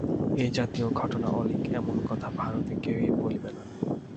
এ-জাতীয় ঘটনা অলীক, এমন কথা ভারতে কেহই বলিবে না।